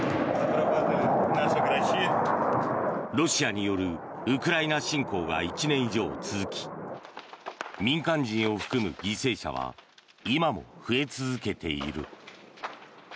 ロシアによるウクライナ侵攻が１年以上続き民間人を含む犠牲者は今も増え続けている。